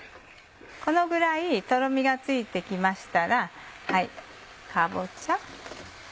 このぐらいとろみがついて来ましたらかぼちゃ。